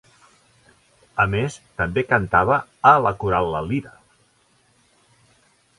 A més, també cantava a la Coral La Lira.